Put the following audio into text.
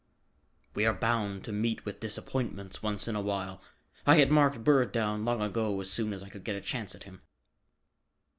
"We are bound to meet with disappointments once in a while. I had marked Bird down long ago as soon as I could get a chance at him."